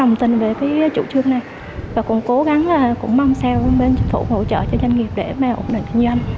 đồng tình với chủ trương này và cũng cố gắng cũng mong sao bên chủ phủ hỗ trợ cho doanh nghiệp để ổn định kinh doanh